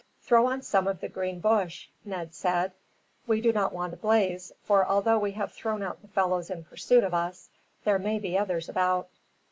"Throw on some of the green bush," Ned said. "We do not want a blaze, for although we have thrown out the fellows in pursuit of us, there may be others about."